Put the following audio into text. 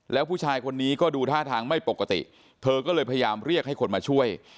แล้วผู้ชายคนนี้ก็ดูท่าทางไม่ปกติเธอก็เลยพยายามเรียกให้คนมาช่วย